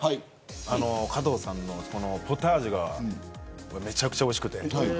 加藤さんのポタージュがめちゃくちゃおいしくて。